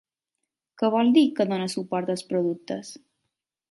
Què vol dir, que dona suport als productes?